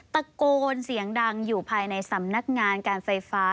ตะโกนเสียงดังอยู่ภายในสำนักงานการไฟฟ้า